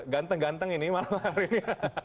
ganteng ganteng ini malam hari ini